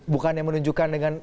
bukan yang menunjukkan dengan